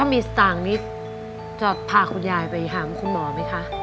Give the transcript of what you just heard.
มีสตางค์นี้จะพาคุณยายไปหาคุณหมอไหมคะ